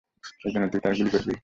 এই জন্য তুই তারে গুলি করবি?